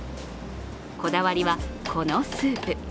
こだわりは、このスープ。